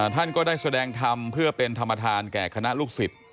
ท่านก็ได้แสดงธรรมเพื่อเป็นธรรมธานแก่คณะลูกศิษย์